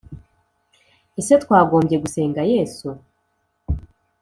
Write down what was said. Ese twagombye gusenga Yesu